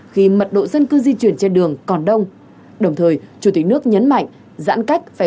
khi mật độ dân cư di chuyển trên đường còn đông đồng thời chủ tịch nước nhấn mạnh giãn cách